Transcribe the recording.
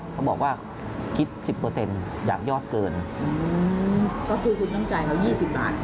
เขาบอกว่าคิดสิบเปอร์เซ็นต์อยากยอดเกินก็คือคุณต้องจ่ายเขา๒๐บาท